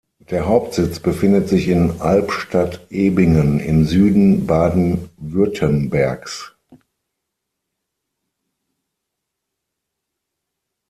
Der Hauptsitz befindet sich in Albstadt-Ebingen im Süden Baden-Württembergs.